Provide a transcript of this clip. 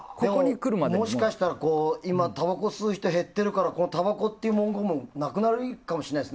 もしかしたら今、たばこ吸う人って減っているから、たばこという文言もなくなるかもしれない。